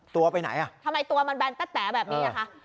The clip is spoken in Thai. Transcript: ตัวไปไหนอ่ะทำไมตัวมันแนนแต๊ะแต๋แบบนี้อ่ะคะ